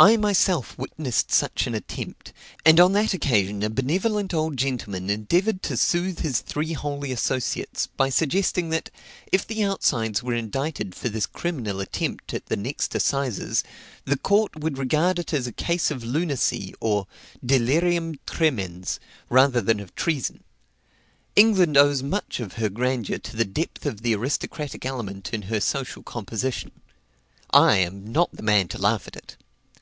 I myself witnessed such an attempt; and on that occasion a benevolent old gentleman endeavored to soothe his three holy associates, by suggesting that, if the outsides were indicted for this criminal attempt at the next assizes, the court would regard it as a case of lunacy (or delirium tremens) rather than of treason. England owes much of her grandeur to the depth of the aristocratic element in her social composition. I am not the man to laugh at it.